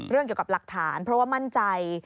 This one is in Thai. เกี่ยวกับหลักฐานเพราะว่ามั่นใจ